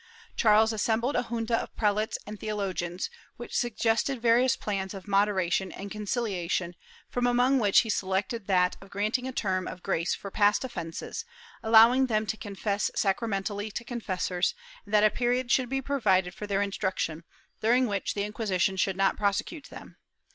Charles assembled a junta of prelates and theolo gians, which suggested various plans of moderation and concilia tion, from among which he selected that of granting a term of grace for past offences, allowing them to confess sacramentally to confessors, and that a period should be provided for their in struction, during which the Inquisition should not prosecute them.